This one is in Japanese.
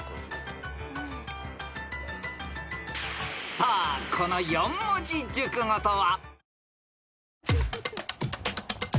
［さあこの４文字熟語とは？］